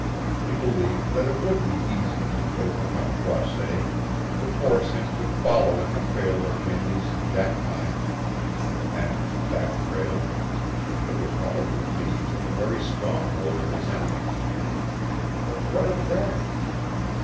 He believed that it would be easy to overcome Croisset, to force him to follow in the trail of Meleese and Jackpine. And that trail? It would probably lead to the very stronghold of his enemies. But what of that?